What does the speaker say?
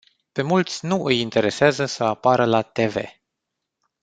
Pe mulți nu îi interesează să apară la te ve.